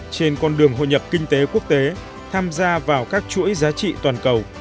trên con đường hội nhập kinh tế quốc tế tham gia vào các chuỗi giá trị toàn cầu